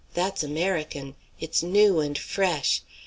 That's American. It's new and fresh.